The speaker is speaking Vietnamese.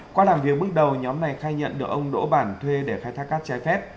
qua làm việc bước đầu nhóm này khai nhận được ông đỗ bản thuê để khai thác cát trái phép